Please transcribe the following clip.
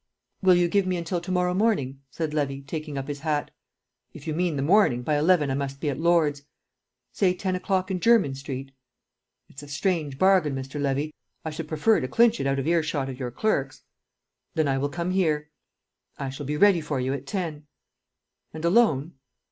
"Will you give me until to morrow morning?" said Levy, taking up his hat. "If you mean the morning; by eleven I must be at Lord's." "Say ten o'clock in Jermyn Street?" "It's a strange bargain, Mr. Levy. I should prefer to clinch it out of earshot of your clerks." "Then I will come here." "I shall be ready for you at ten." "And alone?"